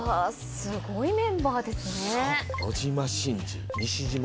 すごいメンバーですね。